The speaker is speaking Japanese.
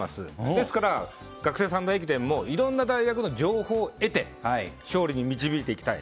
ですから、学生三大駅伝もいろんな大学の情報を得て勝利に導きたい。